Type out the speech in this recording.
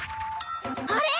あれ？